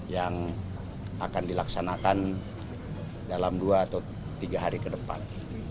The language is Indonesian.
yang akan dilaksanakan dalam dua atau tiga hari ke depan